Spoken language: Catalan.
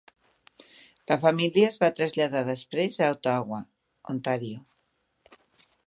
La família es va traslladar després a Ottawa, Ontario.